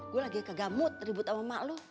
gue lagi ke gamut ribut sama emak lu